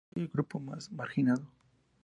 Hoy el grupo está marginado.